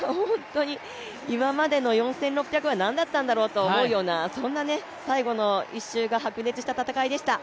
今までの４６００は何だったんだろうと思うようなそんな、最後の１周が白熱した戦いでした。